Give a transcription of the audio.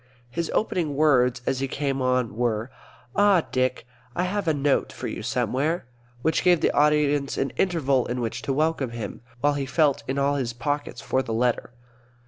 His opening words, as he came on, were, "Ah, Dick, I have a note for you somewhere," which gave the audience an interval in which to welcome him, while he felt in all his pockets for the letter.